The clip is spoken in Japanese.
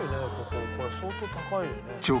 これ相当高いよね。